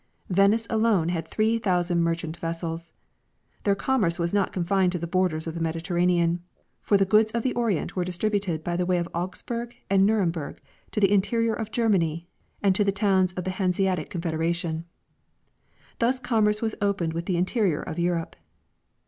Venice alone had three thou sand merchant vessels. Their commerce was not confined to the borders of the Mediterranean, for the goods of the Orient Avere distributed by the way of Augsburg and Nuremberg to the interior of Germany and to the towns of the Hanseatic confedera tion. Thus commerce was opened with the interior of Europe.